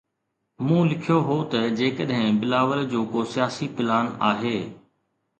مون لکيو هو ته جيڪڏهن بلاول جو ڪو سياسي پلان آهي.